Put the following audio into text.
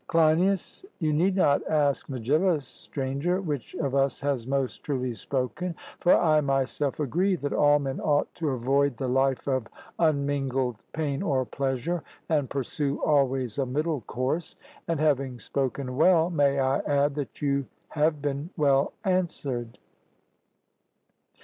CLEINIAS: You need not ask Megillus, Stranger, which of us has most truly spoken; for I myself agree that all men ought to avoid the life of unmingled pain or pleasure, and pursue always a middle course. And having spoken well, may I add that you have been well answered?